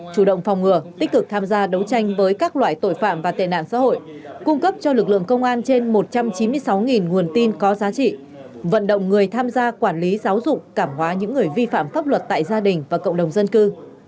chủ động phòng ngừa tích cực tham gia đấu tranh với các loại tội phạm và tệ nạn xã hội cung cấp cho lực lượng công an trên một trăm chín mươi sáu nguồn tin có giá trị vận động người tham gia quản lý giáo dục cảm hóa những người vi phạm pháp luật tại gia đình và cộng đồng dân cư